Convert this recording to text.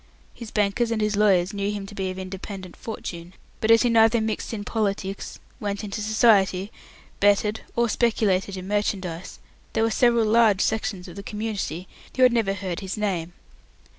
His bankers and his lawyers knew him to be of independent fortune, but as he neither mixed in politics, "went into society", betted, or speculated in merchandise, there were several large sections of the community who had never heard his name.